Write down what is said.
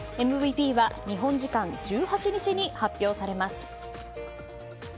ＭＶＰは日本時間１８日に発表されます。